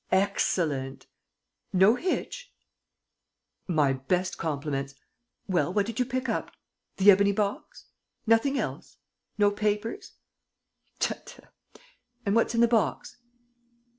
... Excellent! ... No hitch? ... My best compliments! ... Well, what did you pick up? ... The ebony box? ... Nothing else? ... No papers? ... Tut, tut! ... And what's in the box?